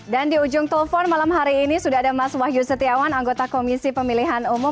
dan di ujung telpon malam hari ini sudah ada mas wahyu setiawan anggota komisi pemilihan umum